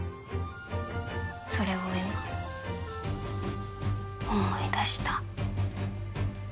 それを今思い出した。